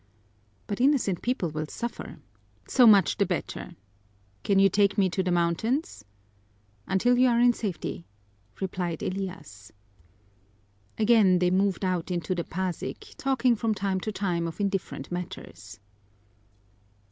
"But innocent people will suffer!" "So much the better! Can you take me to the mountains?" "Until you are in safety," replied Elias. Again they moved out into the Pasig, talking from time to time of indifferent matters.